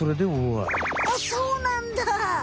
あっそうなんだ。